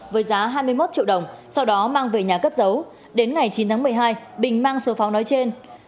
với giá hai mươi một triệu đồng sau đó mang về nhà cất giấu đến ngày chín tháng một mươi hai bình mang số pháo nói trên